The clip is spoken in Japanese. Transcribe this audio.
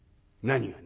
「『何が？』